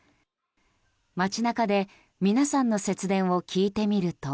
街中で皆さんの節電を聞いてみると。